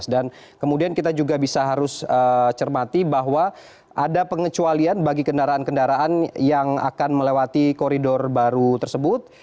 dan kemudian kita juga bisa harus cermati bahwa ada pengecualian bagi kendaraan kendaraan yang akan melewati koridor baru tersebut